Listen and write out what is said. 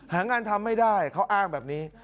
หางานทำไม่ได้เขาอ้างแบบนี้